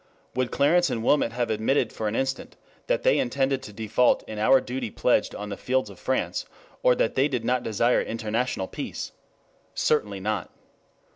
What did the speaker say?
Would Clarence and Wilmot have admitted for an instant that they intended to default in our duty pledged on the fields of France; or that they did not desire international peace? Certainly not.